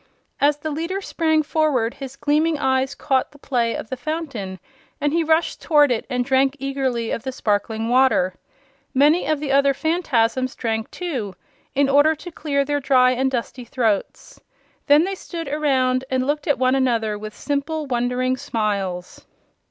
As the leader sprang forward his gleaming eyes caught the play of the fountain and he rushed toward it and drank eagerly of the sparkling water. Many of the other Phanfasms drank, too, in order to clear their dry and dusty throats. Then they stood around and looked at one another with simple, wondering smiles.